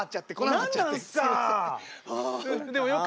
何なんすか。